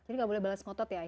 jadi gak boleh balas ngotot ya